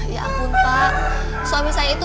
ya ampun pak suami saya itu